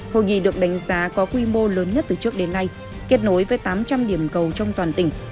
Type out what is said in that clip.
hội nghị được đánh giá có quy mô lớn nhất từ trước đến nay kết nối với tám trăm linh điểm cầu trong toàn tỉnh